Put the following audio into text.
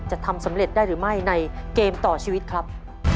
จะทำสำเร็จได้หรือไม่ในเกมต่อชีวิตครับ